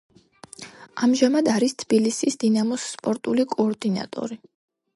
ამჟამად არის თბილისის „დინამოს“ სპორტული კოორდინატორი.